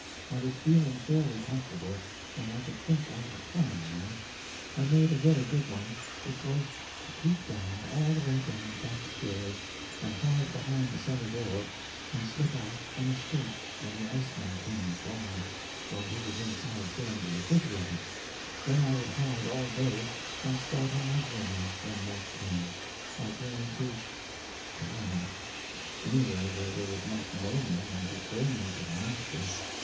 I was feeling fairly comfortable, and I could think out a plan now. I made a very good one; which was, to creep down, all the way down the back stairs, and hide behind the cellar door, and slip out and escape when the iceman came at dawn, while he was inside filling the refrigerator; then I would hide all day, and start on my journey when night came; my journey to well, anywhere where they would not know me and betray me to the master.